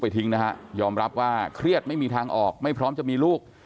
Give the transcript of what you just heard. ทิ้งนะฮะยอมรับว่าเครียดไม่มีทางออกไม่พร้อมจะมีลูก